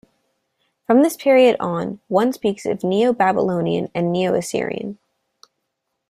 From this period on, one speaks of Neo-Babylonian and Neo-Assyrian.